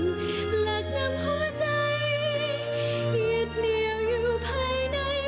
และนำหัวใจเหยียดเหนียวอยู่ภายใน